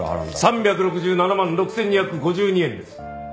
３６７万６２５２円です。